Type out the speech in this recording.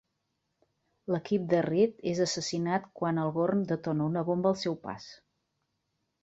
L'equip de Reed és assassinat quan el Gorn detona una bomba al seu pas.